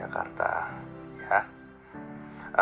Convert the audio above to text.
aku bakal balik ke jakarta